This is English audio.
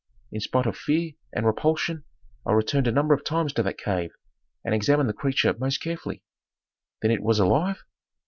In spite of fear and repulsion I returned a number of times to that cave and examined the creature most carefully." "Then it was alive?"